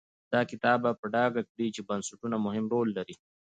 دا کتاب به په ډاګه کړي چې بنسټونه مهم رول لري.